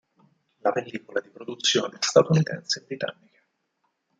La pellicola è di produzione statunitense-britannica.